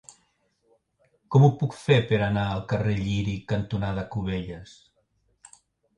Com ho puc fer per anar al carrer Lliri cantonada Cubelles?